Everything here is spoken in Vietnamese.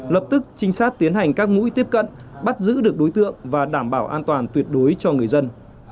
lập tức trinh sát tiến hành các mũi tiếp cận bắt giữ được đối tượng và đảm bảo an toàn tuyệt đối cho người dân